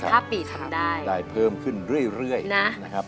ห้าปีทำได้ได้เพิ่มขึ้นเรื่อยนะครับ